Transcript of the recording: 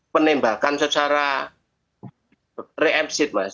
penembakan secara re emceed mas